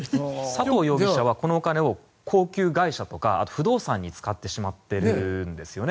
佐藤容疑者はこのお金を高級会社とか不動産に使ってしまっているんですよね。